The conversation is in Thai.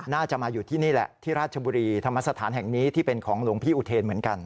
น่าจะมาอยู่ที่นี่แหละที่ราชบุรีธรรมสถานแห่งนี้ที่เป็นของหลวงพี่อุเทนเหมือนกัน